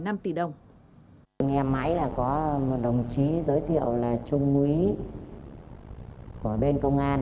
em máy là có một đồng chí giới thiệu là trung úy của bên công an